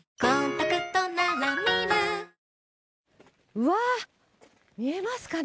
うわ、見えますかね。